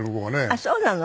あっそうなの。